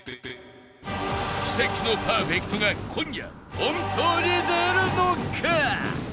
奇跡のパーフェクトが今夜本当に出るのか！？